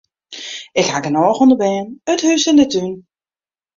Ik haw genôch oan de bern, it hûs en de tún.